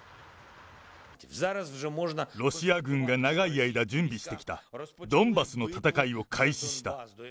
ロシア軍が長い間準備してきた、ドンバスの戦いを開始した。